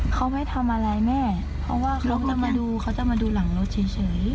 เขาไม่ทำอะไรแม่เพราะว่าเขาจะมาดูข้างหลังรถเฉย